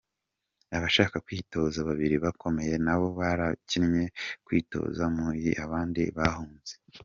Abashaka kwitoza babiri bakomeye na bo barabankiye kwitoza mu gihe abandi bahunze.